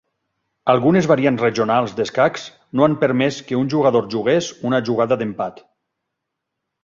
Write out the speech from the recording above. Algunes variants regionals d'escacs no han permès que un jugador jugués una jugada d'empat.